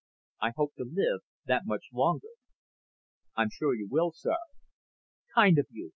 I hope to live that much longer." "I'm sure you will, sir." "Kind of you.